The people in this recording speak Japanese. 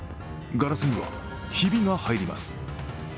ガラスにはひびが入ります。